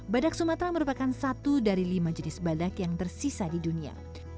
badak sumatera merupakan satu dari lima jenis badak yang tersisa di dunia